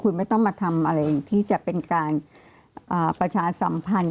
คุณไม่ต้องมาทำอะไรที่จะเป็นการประชาสัมพันธ์